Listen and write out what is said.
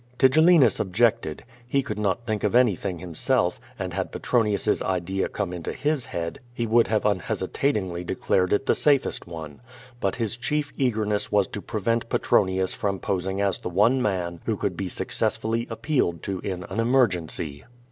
Tigellinus objected. He could not think of anything him self, and had Petronius' idea come into his head, he would unhesitatingly declared it the safest one. But his chief eagerness was to prevent Petronius from posing as the one man who could be successfully appealed to in an emergency.